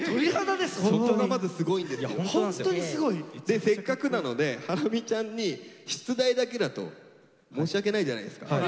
でせっかくなのでハラミちゃんに出題だけだと申し訳ないじゃないですか。